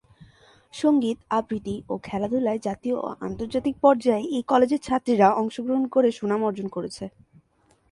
সংগীত, আবৃত্তি ও খেলাধুলায় জাতীয় ও আন্তর্জাতিক পর্যায়ে এই কলেজের ছাত্রীরা অংশগ্রহণ করে সুনাম অর্জন করেছে।